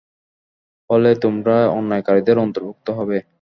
হলে তোমরা অন্যায়কারীদের অন্তর্ভুক্ত হবে।